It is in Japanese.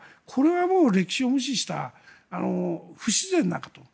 これはもう歴史を無視した不自然な形。